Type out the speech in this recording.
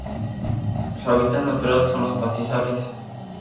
Su hábitat natural son los pastizales.